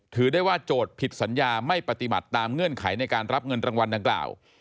ถือได้ว่าโจทย์ผิดสัญญาไม่ปฏิบัติตามเงื่อนไขในการรับเงินรางวัลดังกล่าว